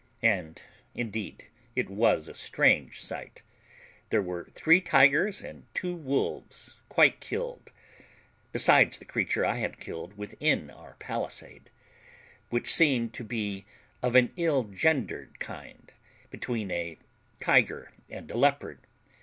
And indeed it was a strange sight; there were three tigers and two wolves quite killed, besides the creature I had killed within our palisade, which seemed to be of an ill gendered kind, between a tiger and a leopard.